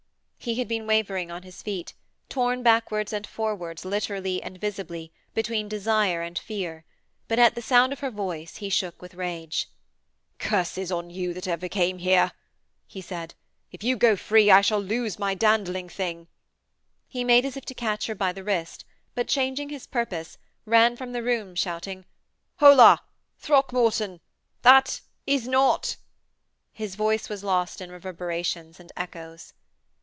He had been wavering on his feet, torn backwards and forwards literally and visibly, between desire and fear, but at the sound of her voice he shook with rage. 'Curses on you that ever you came here,' he said. 'If you go free I shall lose my dandling thing.' He made as if to catch her by the wrist; but changing his purpose, ran from the room, shouting: 'Ho la!... Throck ... morton ... That ... is not....' His voice was lost in reverberations and echoes.